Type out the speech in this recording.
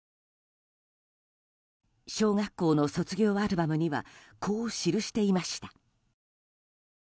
小学校の卒業アルバムにはこう記していました。